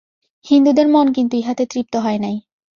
হিন্দুদের মন কিন্তু ইহাতে তৃপ্ত হয় নাই।